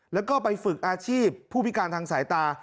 แล้วก็ไปฝึกอาชีพผู้พิการทางสายตา